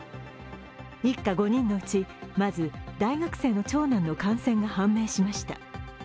一家５人のうち、まず大学生の長男の感染が判明しました。